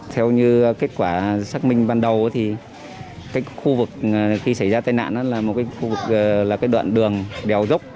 theo như kết quả xác minh ban đầu thì khu vực khi xảy ra tai nạn là một khu vực là đoạn đường đèo dốc